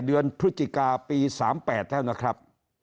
เดือนพฤติกาปี๓๘แล้วนะครับ